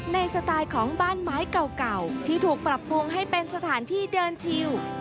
สไตล์ของบ้านไม้เก่าที่ถูกปรับปรุงให้เป็นสถานที่เดินชิว